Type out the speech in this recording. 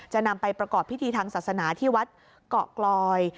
นำไปประกอบพิธีทางศาสนาที่วัดเกาะกลอย